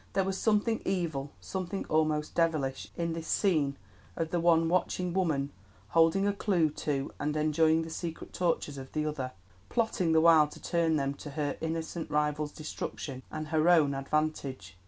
There was something evil, something almost devilish, in this scene of the one watching woman holding a clue to and enjoying the secret tortures of the other, plotting the while to turn them to her innocent rival's destruction and her own advantage.